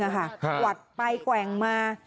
หวัดไปแกว่งมา